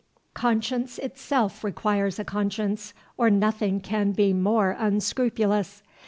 Conscience itself requires a conscience, or nothing can be more unscrupulous.